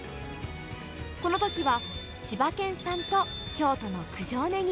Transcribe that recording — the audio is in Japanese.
このときは千葉県産と京都の九条ネギ。